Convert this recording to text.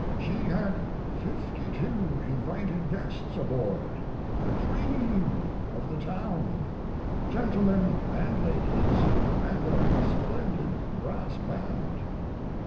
She had fifty two invited guests aboard the cream of the town gentlemen and ladies, and a splendid brass band.